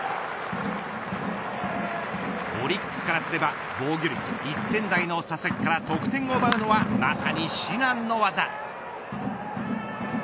オリックスからすれば防御率１点台の佐々木から得点を奪うのはまさに至難の業。